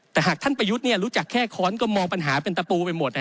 แต่หากท่านประยุทธ์รู้จักแค่ค้อนก็มองปัญหาเป็นตะปูไปหมด